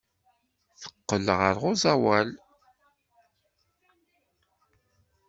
Teqqel ɣer uẓawan.